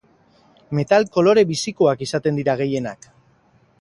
Metal kolore bizikoak izaten dira gehienak.